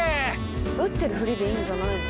打ってるふりでいいんじゃないの？